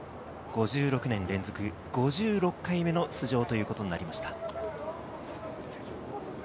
５６年連続、５６回目の出場ということになりました。